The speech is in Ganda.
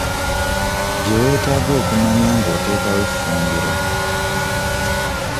Bye weetaaga okumanya ng'oteekawo effumbiro.